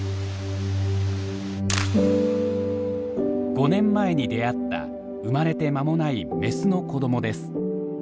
５年前に出会った産まれて間もないメスの子どもです。